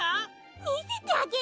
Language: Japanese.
みせてあげる。